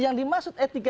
yang dimaksud etika